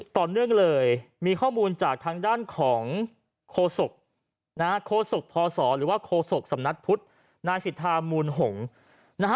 ต่อเนื่องเลยมีข้อมูลจากทางด้านของโคศกนะฮะโคศกพศหรือว่าโคศกสำนักพุทธนายสิทธามูลหงษ์นะฮะ